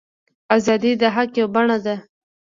ازادي د حق یوه بڼه ده.